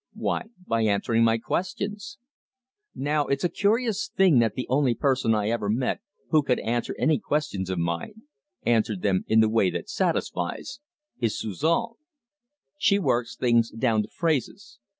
Why, by answering my questions. Now it's a curious thing that the only person I ever met who could answer any questions of mine answer them in the way that satisfies is Suzon. She works things down to phrases.